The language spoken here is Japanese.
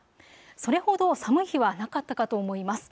それほど寒い日はなかったかと思います。